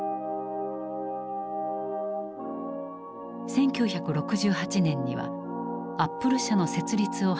１９６８年にはアップル社の設立を発表。